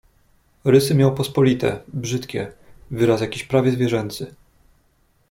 "Rysy miał pospolite, brzydkie, wyraz jakiś prawie zwierzęcy."